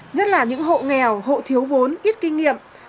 nhất là những hộ nghèo hộ thiếu vốn ít kinh nghiệm